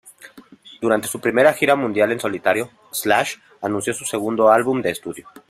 Durante su primera gira mundial en solitario, Slash anunció su segundo álbum de estudio.